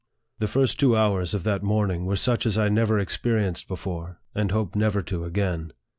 The first two hours of that morning were such as I never experienced before, and hope never to again.